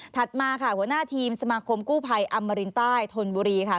มาค่ะหัวหน้าทีมสมาคมกู้ภัยอมรินใต้ธนบุรีค่ะ